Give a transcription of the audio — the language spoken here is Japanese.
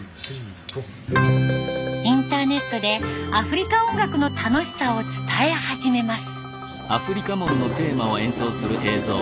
インターネットでアフリカ音楽の楽しさを伝え始めます。